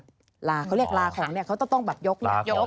บอโล่โล่เค้าเรียกลาของต้องยก